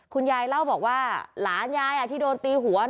คุณยายเล่าบอกว่า